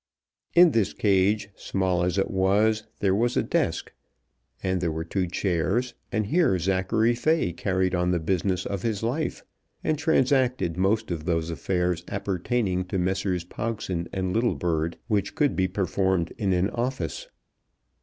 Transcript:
In this cage, small as it was, there was a desk, and there were two chairs; and here Zachary Fay carried on the business of his life, and transacted most of those affairs appertaining to Messrs. Pogson and Littlebird which could be performed in an office.